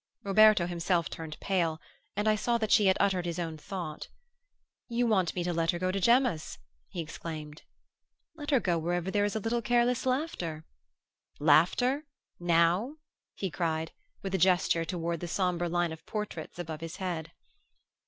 Roberto himself turned pale and I saw that she had uttered his own thought. "You want me to let her go to Gemma's!" he exclaimed. "Let her go wherever there is a little careless laughter." "Laughter now!" he cried, with a gesture toward the sombre line of portraits above his head.